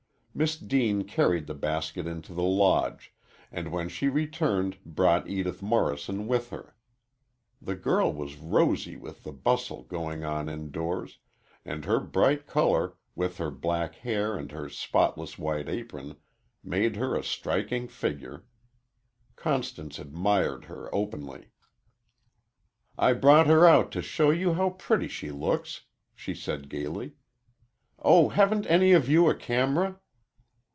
Miss Deane carried the basket into the Lodge, and when she returned brought Edith Morrison with her. The girl was rosy with the bustle going on indoors, and her bright color, with her black hair and her spotless white apron, made her a striking figure. Constance admired her openly. "I brought her out to show you how pretty she looks," she said gayly. "Oh, haven't any of you a camera?"